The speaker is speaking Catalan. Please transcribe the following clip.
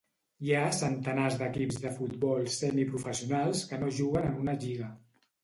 Hi ha centenars d'equips de futbol semiprofessionals que no juguen en una lliga.